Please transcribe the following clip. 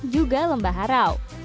juga lembah harau